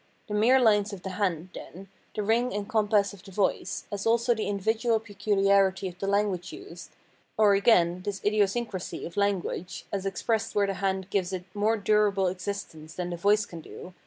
The mere lines of the hand, then, the ring and compass of the voice, as also the individual pecuharity of the language used : or again this idiosyncracy of language, as expressed where the hand gives it more durable existence than the voice can do, viz.